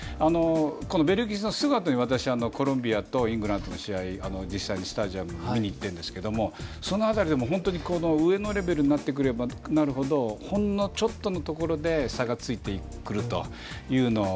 今度はベルギー戦のすぐあとに私、コロンビアとイングランドの試合を実際にスタジアムに見に行っているんですけどその辺りでも上のレベルになってくればなるほどほんのちょっとのところで差がついてくるというのを